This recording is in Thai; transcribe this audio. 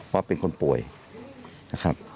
ว่าเป็นคนป่วยนะครับ